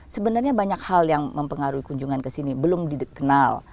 sebenarnya banyak hal yang mempengaruhi kunjungan ke sini belum dikenal